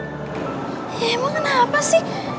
ya emang kenapa sih